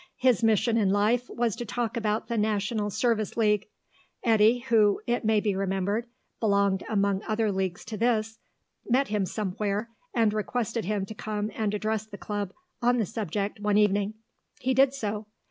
His mission in life was to talk about the National Service League. Eddy, who, it may be remembered, belonged among other leagues to this, met him somewhere, and requested him to come and address the club on the subject one evening. He did so.